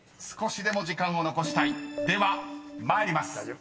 ［では参ります］